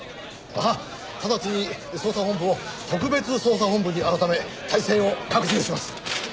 はっ直ちに捜査本部を特別捜査本部に改め体制を拡充します！